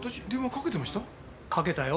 かけたよ。